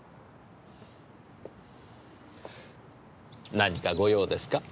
何かご用ですか？